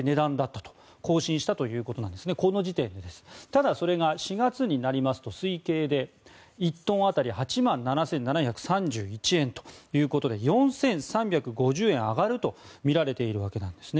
ただ、それが４月になりますと推計で１トン当たり８万７７３１円ということで４３５０円上がるとみられているわけです。